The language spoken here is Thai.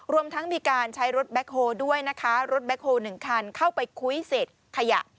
รวมทั้งมีการใช้รถแบ็คโฮลด้วยนะคะรถแบ็คโฮล๑คันเข้าไปคุ้ยเศษขยะ